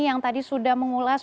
yang tadi sudah mengulas